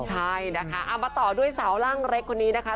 ใช่นะคะเอามาต่อด้วยสาวร่างเล็กคนนี้นะคะ